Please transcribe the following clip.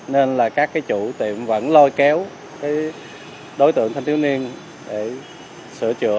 nên là các chủ tiệm vẫn lôi kéo đối tượng thanh tiếu niên để sửa chữa đem lại lợi nhận cho tiệm